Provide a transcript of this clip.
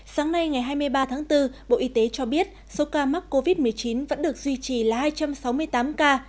sáng nay ngày hai mươi ba tháng bốn bộ y tế cho biết số ca mắc covid một mươi chín vẫn được duy trì là hai trăm sáu mươi tám ca